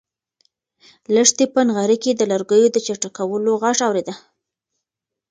لښتې په نغري کې د لرګیو د چټکولو غږ اورېده.